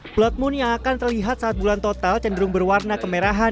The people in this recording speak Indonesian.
plood moon yang akan terlihat saat bulan total cenderung berwarna kemerahan